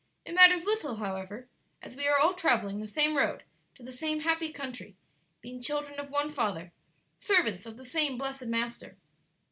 It matters little, however, as we are all travelling the same road to the same happy country, being children of one Father, servants of the same blessed Master."